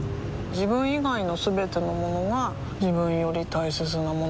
自分以外のすべてのものが自分より大切なものだと思いたい